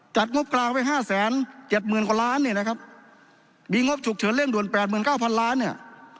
งบกลางไว้ห้าแสนเจ็ดหมื่นกว่าล้านเนี่ยนะครับมีงบฉุกเฉินเร่งด่วนแปดหมื่นเก้าพันล้านเนี่ย